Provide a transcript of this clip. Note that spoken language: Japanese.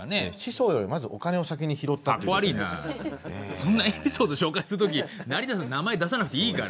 そんなエピソード紹介する時成田さんの名前出さなくていいから。